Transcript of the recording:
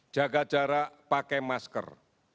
jaga jarak pakai masker